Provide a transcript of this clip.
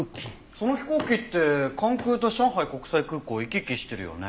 その飛行機って関空と上海国際空港を行き来してるよね。